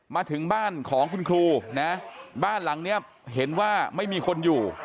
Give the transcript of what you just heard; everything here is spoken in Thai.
มาถึงบ้านของคุณครูนะบ้านหลังนี้เห็นว่าไม่มีคนอยู่